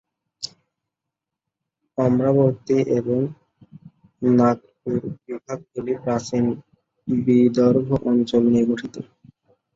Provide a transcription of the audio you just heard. অমরাবতী এবং নাগপুর বিভাগগুলি প্রাচীন বিদর্ভ অঞ্চল নিয়ে গঠিত।